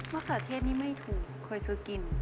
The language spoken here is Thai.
เขือเทศนี่ไม่ถูกเคยซื้อกิน